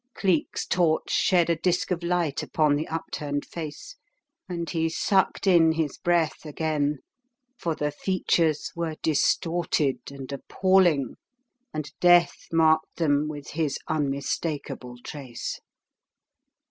Cleek's torch shed a disk of light upon the upturned face and he sucked in his breath again, for the features were distorted and appalling, and death marked them with his un mistakable trace.